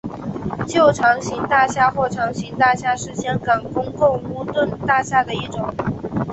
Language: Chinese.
旧长型大厦或长型大厦是香港公共屋邨大厦的一种。